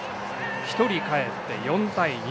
１人かえって４対２。